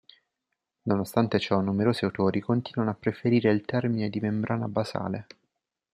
Nonostante ciò numerosi autori continuano a preferire il termine di membrana basale.